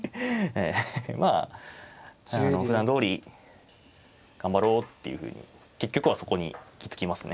まあふだんどおり頑張ろうっていうふうに結局はそこに行き着きますね。